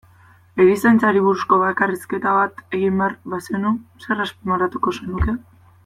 Erizaintzari buruzko bakarrizketa bat egin behar bazenu, zer azpimarratuko zenuke?